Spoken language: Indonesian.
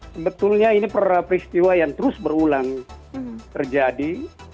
sebetulnya ini peristiwa yang terus berulang terjadi